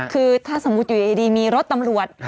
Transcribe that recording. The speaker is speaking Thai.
คือถ้าสมมุติอยู่ดีมีรถตำรวจ